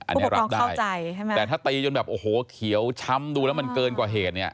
อันนี้รับได้ใช่ไหมแต่ถ้าตีจนแบบโอ้โหเขียวช้ำดูแล้วมันเกินกว่าเหตุเนี่ย